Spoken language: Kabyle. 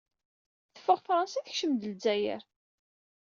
Teffeɣ Fransa, tekcem-d Zzayer.